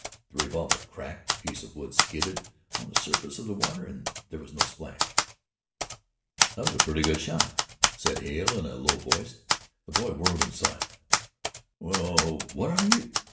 The revolver cracked, the piece of wood skidded on the surface of the water and there was no splash. "That was a pretty good shot," said Hale in a low voice. The boy whirled and saw him. "Well what are you